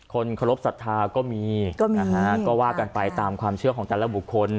คนเคารพสัทธาก็มีนะฮะก็ว่ากันไปตามความเชื่อของแต่ละบุคคล